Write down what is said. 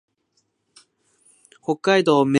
北海道芽室町